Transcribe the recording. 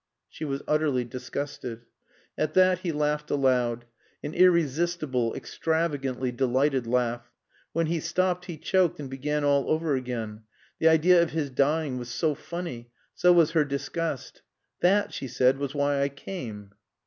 (She was utterly disgusted.) At that he laughed aloud. An irresistible, extravagantly delighted laugh. When he stopped he choked and began all over again; the idea of his dying was so funny; so was her disgust. "That," she said, "was why I came."